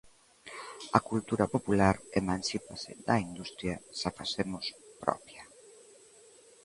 A cultura popular emancípase da industria se a facemos propia.